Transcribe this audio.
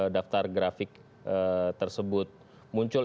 daftar grafik tersebut muncul